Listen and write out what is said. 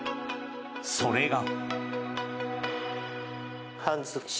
それが。